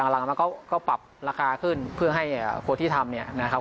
หลังจากนั้นก็ปรับราคาขึ้นเพื่อให้คนที่ทำเนี่ยนะครับ